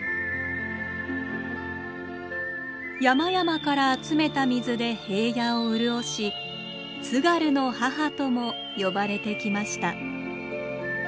山々から集めた水で平野を潤し「津軽の母」とも呼ばれてきました。